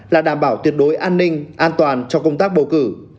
là đảm bảo tuyệt đối an ninh an toàn cho công tác bầu cử